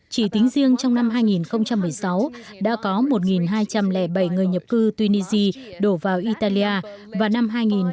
chỉ tính riêng trong năm hai nghìn một mươi sáu đã có một hai trăm linh bảy người nhập cư tunisia đổ vào italia vào năm hai nghìn một mươi